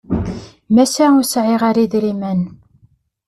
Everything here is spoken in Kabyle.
Maca ur sɛiɣ ara idrimen.